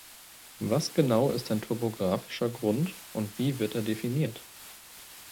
Was genau ist ein topographischer Grund, und wie wird er definiert?